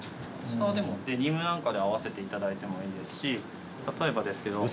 下はでもデニムなんかで合わせていただいてもいいですし例えばですけど。